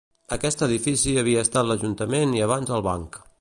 Aquest edifici havia estat l'ajuntament i abans el banc.